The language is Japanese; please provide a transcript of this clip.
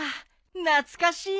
懐かしいな。